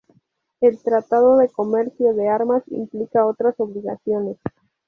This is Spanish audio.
El Tratado de comercio de armas implica otras obligaciones.